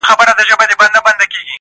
لېوه جوړي په ځنګله کي کړې رمباړي!!